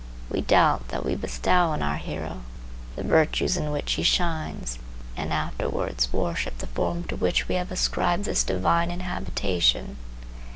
We doubt that we bestow on our hero the virtues in which he shines, and afterwards worship the form to which we have ascribed this divine inhabitation.